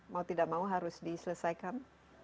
mau tidak mau harus diselesaikan